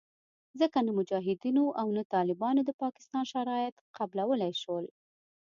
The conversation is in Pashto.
ځکه نه مجاهدینو او نه طالبانو د پاکستان شرایط قبلولې شول